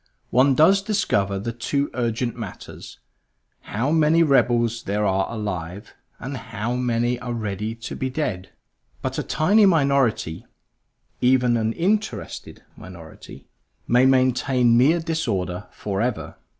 One does discover the two urgent matters; how many rebels there are alive, and how many are ready to be dead. But a tiny minority, even an interested minority, may maintain mere disorder forever.